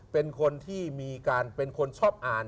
เป็นคนที่มีการเป็นคนชอบอ่าน